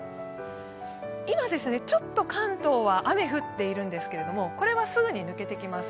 今、ちょっと関東は雨が降っているんですけれども、これはすぐに抜けていきます。